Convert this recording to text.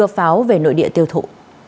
và đưa pháo về nội địa tiêu thụ